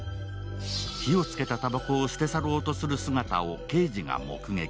火を付けたたばこを捨て去ろうとする姿を刑事が目撃。